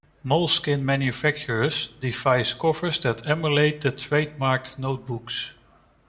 Moleskine manufactures device covers that emulate the trademarked notebooks.